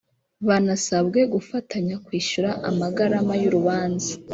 banasabwe gufatanya kwishyura amagarama y’urubanza